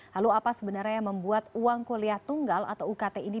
lalu apa sebenarnya yang membuat uang kuliah tunggal atau ukt ini